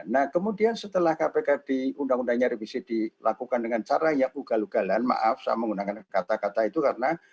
nah kemudian setelah kpk di undang undangnya revisi dilakukan dengan cara yang ugal ugalan maaf saya menggunakan kata kata itu karena